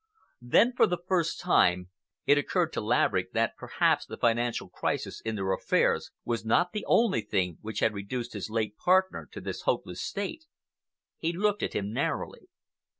Then, for the first time, it occurred to Laverick that perhaps the financial crisis in their affairs was not the only thing which had reduced his late partner to this hopeless state. He looked at him narrowly.